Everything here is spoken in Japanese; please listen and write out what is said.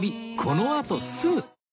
このあとすぐ